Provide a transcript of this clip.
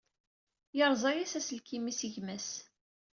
Yerẓa-as aselkim-is i gma-s.